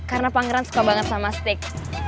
karena pangeran suka banget sama steak